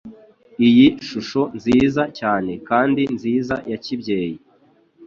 iyi shusho nziza cyane kandi nziza ya kibyeyi